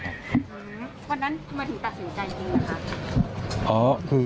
เพราะนั้นทำไมถึงตัดสินใจจริง